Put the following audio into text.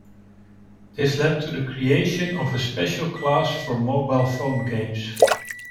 This led to the creation of special class for mobile phone games.